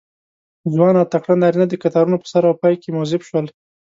ځوان او تکړه نارینه د کتارونو په سر او پای کې موظف شول.